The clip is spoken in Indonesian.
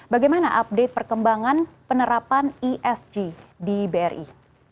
bagaimana update perkembangan penerapan esg di bri